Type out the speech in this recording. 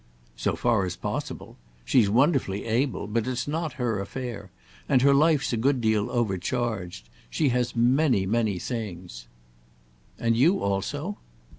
"So far as possible. She's wonderfully able, but it's not her affair, and her life's a good deal overcharged. She has many, many things." "And you also?"